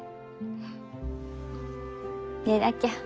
寝なきゃ。